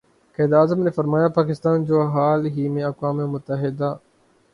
قائد اعظم نے فرمایا پاکستان جو حال ہی میں اقوام متحدہ